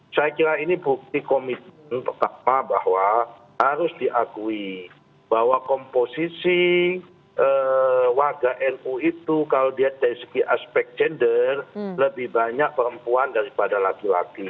saya kira ini bukti komitmen pertama bahwa harus diakui bahwa komposisi warga nu itu kalau dilihat dari segi aspek gender lebih banyak perempuan daripada laki laki